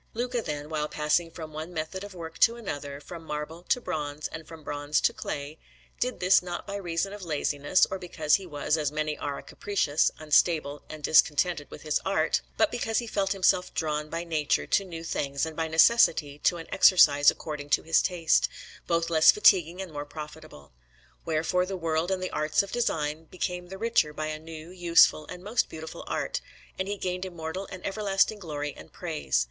[Illustration: THE ANNUNCIATION (After Andrea della Robbia. La Verna) Alinari] Luca, then, while passing from one method of work to another, from marble to bronze, and from bronze to clay, did this not by reason of laziness or because he was, as many are, capricious, unstable, and discontented with his art, but because he felt himself drawn by nature to new things and by necessity to an exercise according to his taste, both less fatiguing and more profitable. Wherefore the world and the arts of design became the richer by a new, useful, and most beautiful art, and he gained immortal and everlasting glory and praise.